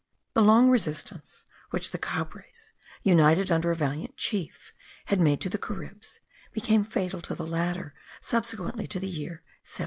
The long resistance which the Cabres, united under a valiant chief, had made to the Caribs, became fatal to the latter subsequently to the year 1720.